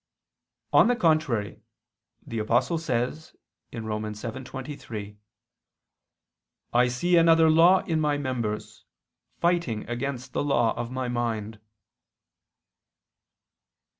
On the contrary, The Apostle says (Rom. 7:23): "I see another law in my members, fighting against the law of my mind."